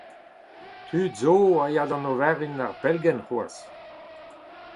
Tud zo a ya da oferenn ar pellgent c'hoazh.